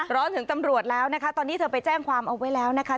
ร้อนถึงตำรวจแล้วนะคะตอนนี้เธอไปแจ้งความเอาไว้แล้วนะคะ